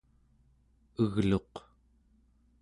egluq